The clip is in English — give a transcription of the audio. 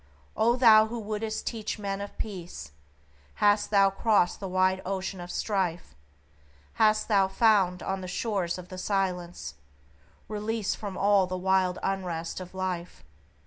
O thou who wouldst teach men of Peace! Hast thou crossed the wide ocean of strife? Hast thou found on the Shores of the Silence, Release from all the wild unrest of life?